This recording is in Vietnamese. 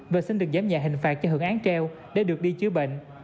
và xin được giám nhạc hình phạt cho hưởng án treo để được đi chứa bệnh